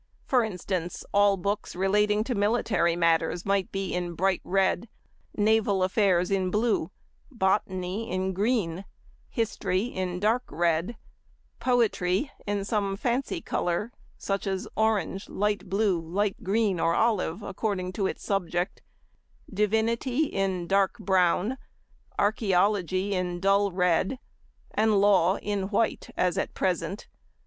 For instance, all books relating to Military matters might be in bright red; Naval affairs in blue; Botany in green; History in dark red; Poetry in some fancy colour, such as orange, light blue, light green, or olive, according to its subject; Divinity in dark brown; Archæology in dull red, and Law in white as at present.